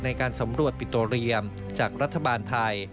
ในการสำรวจปิโตเรียมจากรัฐบาลไทย